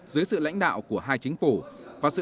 dưới sự lãnh đạo của hai chính phủ